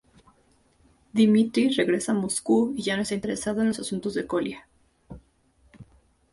Dmitri regresa a Moscú y ya no está interesado en los asuntos de Kolya.